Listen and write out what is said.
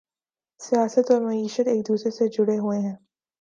سیاست اور معیشت ایک دوسرے سے جڑے ہوئے ہیں۔